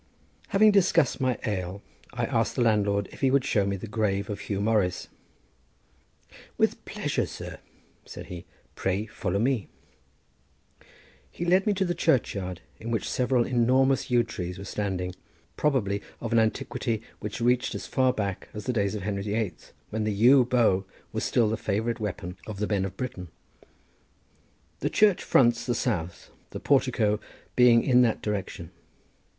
Having discussed my ale, I asked the landlord if he would show me the grave of Huw Morris. "With pleasure, sir," said he; "pray follow me." He led me to the churchyard, in which several enormous yew trees were standing, probably of an antiquity which reached as far back as the days of Henry the Eighth, when the yew bow was still the favourite weapon of the men of Britain. The church fronts the south, the portico being in that direction.